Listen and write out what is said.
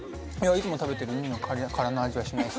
いつも食べているうにの殻の味がします。